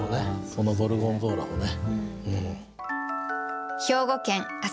このゴルゴンゾーラをね。